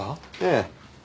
ええ。